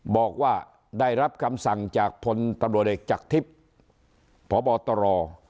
บอกว่าได้รับคำสั่งจากพลตำรวจเอกจากทิพย์พบตร